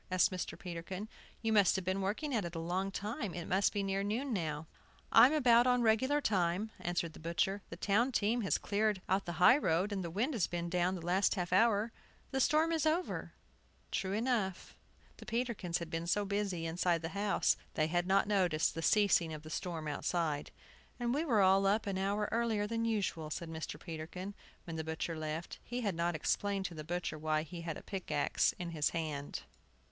asked Mr. Peterkin. "You must have been working at it a long time. It must be near noon now." "I'm about on regular time," answered the butcher. "The town team has cleared out the high road, and the wind has been down the last half hour. The storm is over." True enough! The Peterkins had been so busy inside the house they had not noticed the ceasing of the storm outside. "And we were all up an hour earlier than usual," said Mr. Peterkin, when the butcher left. He had not explained to the butcher why he had a pickaxe in his hand.